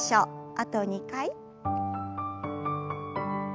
あと２回。